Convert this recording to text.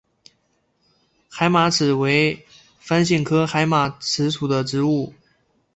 海马齿为番杏科海马齿属的植物。